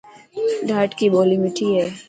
ڌاٽڪي ٻولي مٺي هي.